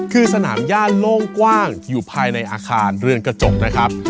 คือสนามย่านโล่งกว้างอยู่ภายในอาคารเรือนกระจกนะครับ